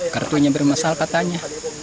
kartunya bermasal katanya